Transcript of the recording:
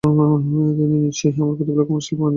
নিশ্চয়ই আমার প্রতিপালক ক্ষমাশীল, পরম দয়ালু।